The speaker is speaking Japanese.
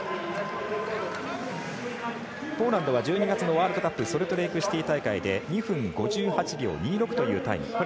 ポーランドは１２月のワールドカップソルトレークシティー大会で２分５８秒２６というタイム。